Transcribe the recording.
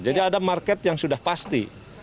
jadi ada market yang sudah pasti